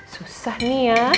susah nih ya